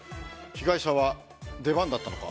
被害者は出番だったのか？